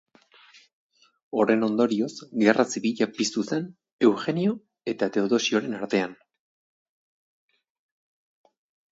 Horren ondorioz, gerra zibila piztu zen Eugenio eta Teodosioren artean.